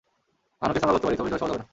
Bhanu case আমরা লড়তে পারি, তবে জয় সহজ হবে না।